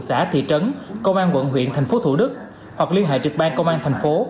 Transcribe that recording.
xã thị trấn công an quận huyện thành phố thủ đức hoặc liên hệ trực ban công an thành phố